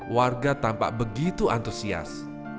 warga tampak begitu antusias